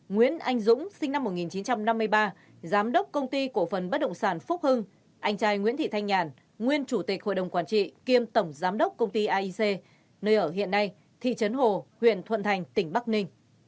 ba nguyễn anh dũng sinh năm một nghìn chín trăm năm mươi ba giám đốc công ty cổ phần bất động sản phúc hưng anh trai nguyễn thị thanh nhàn nguyên chủ tịch hội đồng quản trị